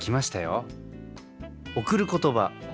「贈る言葉」。